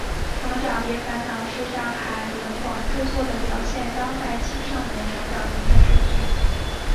成长别烦恼是上海文广制作的表现当代青少年成长的电视剧。